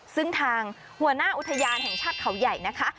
ซึ่งทางหัวหน้าอุทยานแห่งชาติเขาใหญ่นะคะ